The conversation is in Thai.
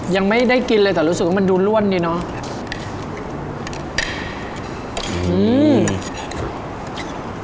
ยังไม่ได้กินเลยแต่รู้สึกว่ามันดูล่วนดีเนาะ